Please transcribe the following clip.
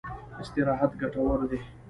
استراحت ګټور دی.